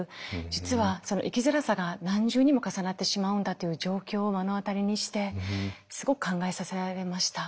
実はその生きづらさが何重にも重なってしまうんだという状況を目の当たりにしてすごく考えさせられました。